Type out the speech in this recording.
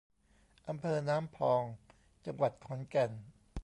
อำเภอน้ำพอง จังหวัดขอนแก่น